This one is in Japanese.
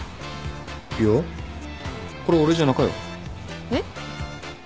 いやこれ俺じゃなかよ。えっ？